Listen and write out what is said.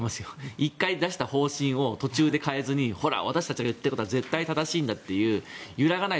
１回出した方針を途中で変えずにほら、私たちがやっていることは絶対に正しいんだという揺らがない